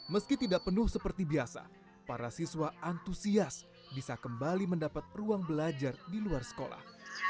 meski tidak penuh seperti biasa para siswa antusias bisa kembali mendapat ruang belajar di luar sekolah